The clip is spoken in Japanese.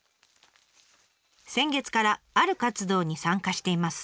先月からある活動に参加しています。